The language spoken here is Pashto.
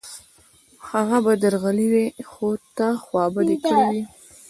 هغه به درغلی وای، خو تا خوابدی کړی و